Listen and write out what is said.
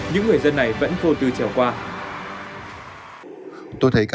những người dân này vẫn vô tư trèo qua